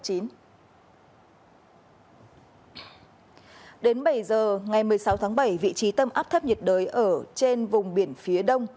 đến bảy giờ ngày một mươi sáu tháng bảy vị trí tâm áp thấp nhiệt đới ở trên vùng biển phía đông